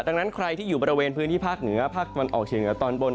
ดังนั้นใครที่อยู่บริเวณพื้นที่ภาคเหนือภาคตะวันออกเฉียงเหนือตอนบน